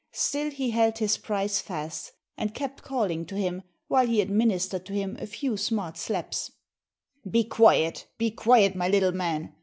Still he held his prize fast, and kept calling to him, while he administered to him a few smart slaps "Be quiet, be quiet, my little man!